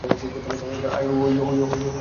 আইয়ো, হয়নি?